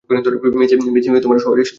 ম্যেসি শহরে এসেছে?